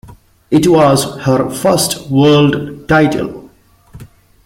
It was her first World title.